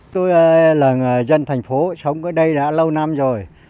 tôi là người dân thành phố sống ở đây đã lâu năm rồi